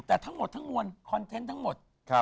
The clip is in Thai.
แต่ทั้งบทคอนเทนต์ทั้งหมด